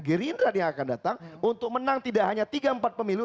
gerindra yang akan datang untuk menang tidak hanya tiga empat pemilu